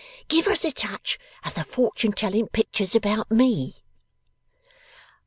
'Give us a touch of the fortune telling pictures about me.